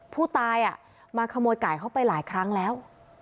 ผู้ตายมาขโมยไก่เขาไปหลายครั้งแล้ว